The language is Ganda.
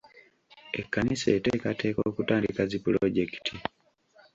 Ekkanisa eteekateeka okutandika zi pulojekiti.